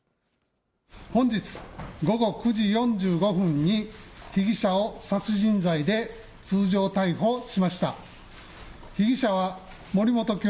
本日午後９時４５分に被疑者を殺人罪で通常逮捕しました。